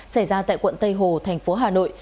xảy ra tại quận tây hồ thành phố hà nội